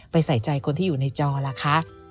ใส่ใจคนที่อยู่ในจอล่ะคะ